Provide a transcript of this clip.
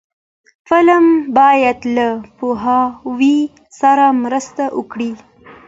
فلم باید له پوهاوي سره مرسته وکړي